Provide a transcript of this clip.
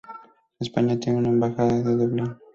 España tienen una embajada en Dublín.